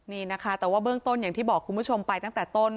นี่นะคะแต่ว่าเบื้องต้นอย่างที่บอกคุณผู้ชมไปตั้งแต่ต้น